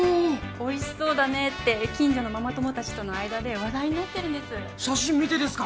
おいしそうだねって近所のママ友達との間で話題になってるんです写真見てですか？